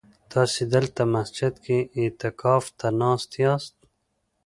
تاسي دلته مسجد کي اعتکاف ته ناست ياست؟